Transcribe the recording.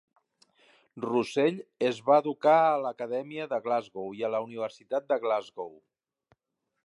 Russell es va educar a l'Acadèmia de Glasgow i a la Universitat de Glasgow.